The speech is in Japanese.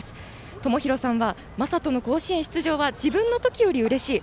ともひろさんは将斗の甲子園出場は自分のときよりうれしい。